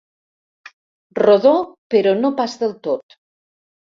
Rodó però no pas del tot.